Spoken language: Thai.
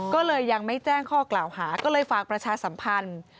ก็เลยยังไม่แจ้งข้อกล่าวหาก็เลยฝากประชาสัมพันธ์